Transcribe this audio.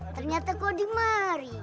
ternyata kau dimari